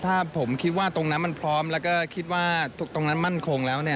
ถ้าผมคิดว่าตรงนั้นมันพร้อมแล้วก็คิดว่าตรงนั้นมั่นคงแล้ว